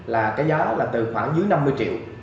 là cái giá là từ khoảng dưới năm mươi triệu